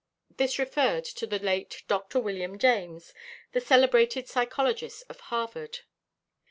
This referred to the late Dr. William James, the celebrated psychologist of Harvard.